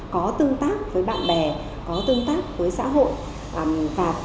có tương tác với bạn bè có tương tác với xã hội